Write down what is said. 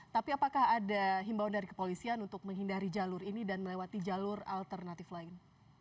tapi apakah ada himbauan dari kepolisian untuk menghindari jalur ini dan melewati jalur alternatif lain